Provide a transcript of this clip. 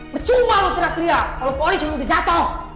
bercuma lo teriak teriak kalo polis udah jatoh